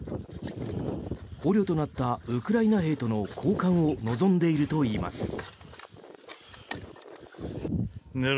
捕虜となったウクライナ兵との交換を望んでいるといいます。